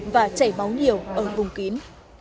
và chảy máu nhiều ở vùng kín